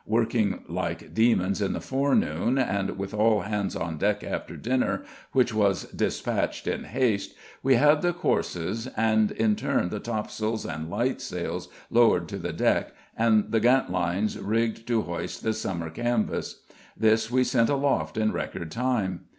Working like demons in the forenoon, and with all hands on deck after dinner, which was dispatched in haste, we had the courses, and in turn the tops'ls and light sails, lowered to the deck, and the gantlines rigged to hoist the summer canvas; this we sent aloft in record time.